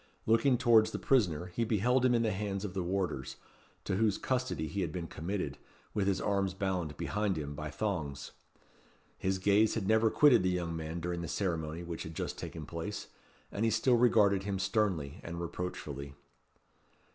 Looking towards the prisoner, he beheld him in the hands of the warders, to whose custody he had been committed, with his arms bound behind him by thongs. His gaze had never quitted the young man during the ceremony which had just taken place, and he still regarded him sternly and reproachfully.